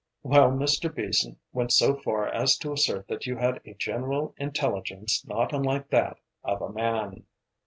"While Mr. Beason went so far as to assert that you had a general intelligence not unlike that of a man."